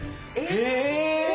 へえ！